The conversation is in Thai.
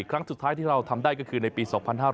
ครั้งสุดท้ายที่เราทำได้ก็คือในปี๒๕๕๙